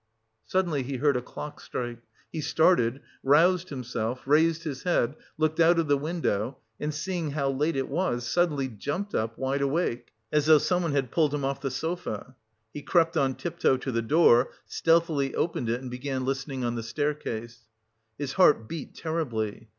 Suddenly he heard a clock strike. He started, roused himself, raised his head, looked out of the window, and seeing how late it was, suddenly jumped up wide awake as though someone had pulled him off the sofa. He crept on tiptoe to the door, stealthily opened it and began listening on the staircase. His heart beat terribly.